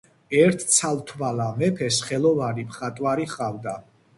ერთ ცალთვალა მეფეს ხელოვანი მხატვარი ჰყავდა.